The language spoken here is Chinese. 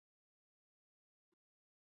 日本播音演技研究所出身。